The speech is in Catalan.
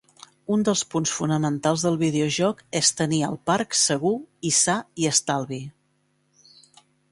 Un dels punts fonamentals del videojoc és tenir el parc segur i sa i estalvi.